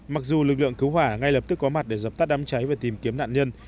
mặc dù lực lượng cứu hỏa ngay lập tức có mặt để dập tắt đám cháy và tìm kiếm nạn nhân